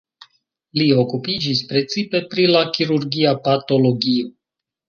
Li okupiĝis precipe pri la kirurgia patologio.